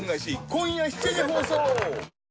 今夜７時放送。